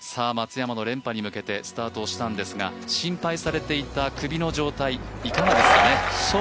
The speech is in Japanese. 松山の連覇に向けてスタートしたんですが心配されていた首の状態いかがですかね？